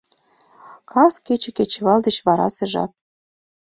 Каскече — кечывал деч варасе жап.